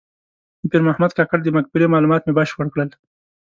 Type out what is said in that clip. د پیر محمد کاکړ د مقبرې معلومات مې بشپړ کړل.